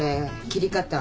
切り方。